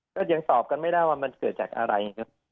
ก็ยังตอบกันไม่ได้ว่ามันเกิดจากอะไรครับ